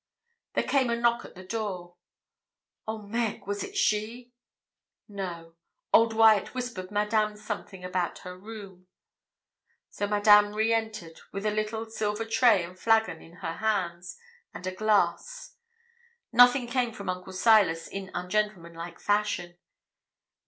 There came a knock to the door Oh, Meg! Was it she? No; old Wyat whispered Madame something about her room. So Madame re entered, with a little silver tray and flagon in her hands, and a glass. Nothing came from Uncle Silas in ungentlemanlike fashion.